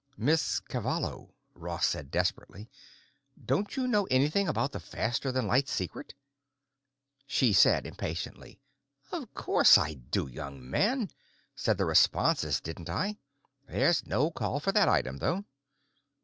"Miss Cavallo," Ross said desperately, "don't you know anything about the faster than light secret?" She said impatiently, "Of course I do, young man. Said the responses, didn't I? There's no call for that item, though."